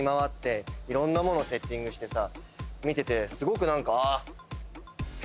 いろんな物セッティングして見ててすごく何か。